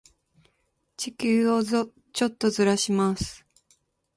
地球をちょっとずらします。